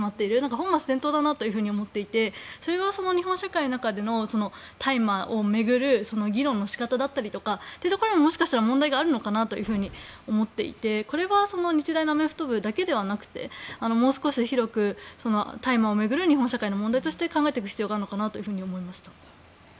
本末転倒だなと思っていてそれは日本社会の中での大麻を巡る議論の仕方だったりとかにもしかしたら問題があるのかなと思っていてこれは日大のアメフト部だけではなくてもう少し広く大麻を巡る日本社会の問題として考えていく必要があるのかなと思いました。